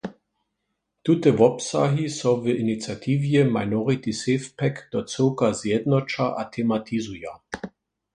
Tute wobsahi so w iniciatiwje Minority SafePack do cyłka zjednoća a tematizuja.